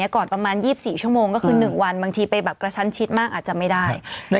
ก่อนประมาณ๒๔ชั่วโมงก็คือ๑วันบางทีไปแบบกระชั้นชิดมากอาจจะไม่ได้